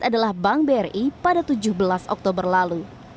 adalah bank bri pada tujuh belas oktober lalu